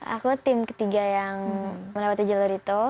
aku tim ketiga yang melewati jalur itu